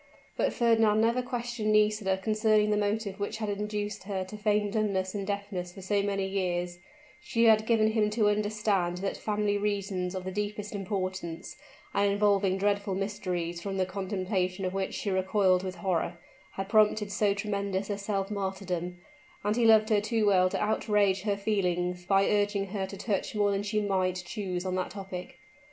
But Fernand never questioned Nisida concerning the motive which had induced her to feign dumbness and deafness for so many years; she had given him to understand that family reasons of the deepest importance, and involving dreadful mysteries from the contemplation of which she recoiled with horror, had prompted so tremendous a self martyrdom: and he loved her too well to outrage her feelings by urging her to touch more than she might choose on that topic.